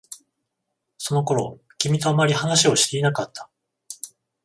その頃、君とあまり話をしていなかった。